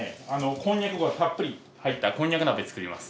こんにゃくがたっぷり入ったこんにゃく鍋作ります。